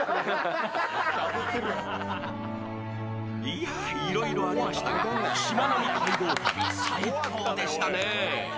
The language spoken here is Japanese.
いやぁ、いろいろありましたがしまなみ海道旅、最高でしたね。